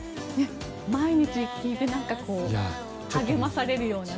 毎日、聴いて励まされるようなね。